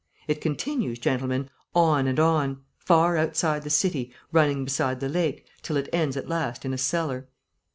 It continues, gentlemen, on and on, far outside the city, running beside the lake, till it ends at last in a cellar.